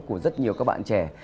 của rất nhiều các bạn trẻ